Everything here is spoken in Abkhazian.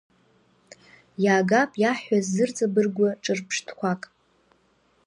Иаагап иаҳҳәаз зырҵабыргуа ҿырԥштәқәак…